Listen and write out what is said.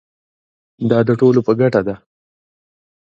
دا د ټولو په ګټه ده.